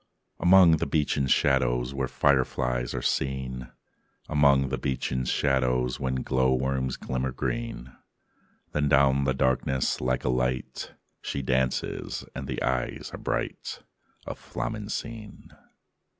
IV Among the beechen shadows When fireflies are seen, Among the beechen shadows When glow worms glimmer green, Then down the darkness, like a light, She dances; and the eyes are bright Of Flamencine.